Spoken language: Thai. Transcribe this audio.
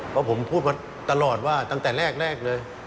เพราะผมพูดมาตลอดว่าตั้งแต่แรกเลย